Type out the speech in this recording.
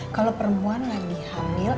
kalo perempuan lagi hamil